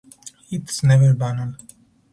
It is never banal.